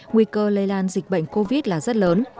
nguy cơ lây lan dịch bệnh covid là rất lớn